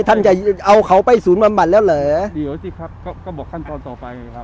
ท่านจะเอาเขาไปศูนย์บำบัดแล้วเหรอเดี๋ยวสิครับก็ก็บอกขั้นตอนต่อไปครับ